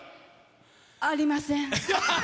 ありません。